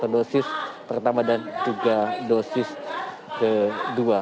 dosis pertama dan juga dosis kedua